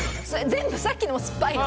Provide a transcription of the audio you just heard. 全部さっきのもすっぱいの。